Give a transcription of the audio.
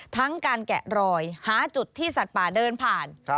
ทั้งการแกะรอยหาจุดที่สัตว์ป่าเดินผ่าน